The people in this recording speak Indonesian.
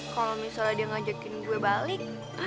kalau misalnya dia ngajakin gue balik